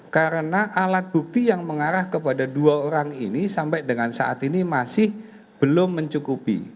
karena alat bukti yang mengarah kepada dua orang ini sampai dengan saat ini masih belum mencukupi